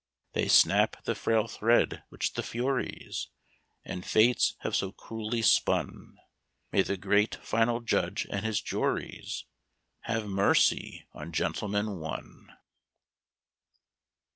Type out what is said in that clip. They snap the frail thread which the Furies And Fates have so cruelly spun. May the great Final Judge and His juries Have mercy on "Gentleman, One"!